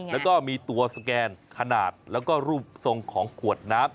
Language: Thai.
แล้วก็มีตัวสแกนขนาดแล้วก็รูปทรงของขวดน้ำ